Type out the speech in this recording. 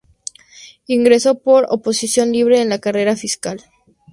Ingresó por oposición libre en la carrera fiscal.